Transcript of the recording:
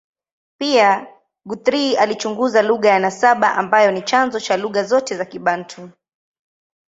Pia, Guthrie alichunguza lugha ya nasaba ambayo ni chanzo cha lugha zote za Kibantu.